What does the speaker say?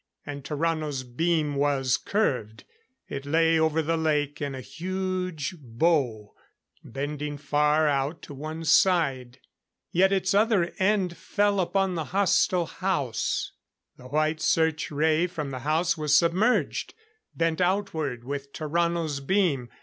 And Tarrano's beam was curved. It lay over the lake in a huge bow, bending far out to one side. Yet its other end fell upon the hostile house. The white search ray from the house was submerged, bent outward with Tarrano's beam.